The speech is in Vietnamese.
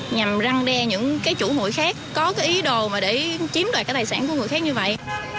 nhằm răng đe những cái chủ hụi khác có cái ý đồ mà để chiếm đoạt cái tài sản của người khác như vậy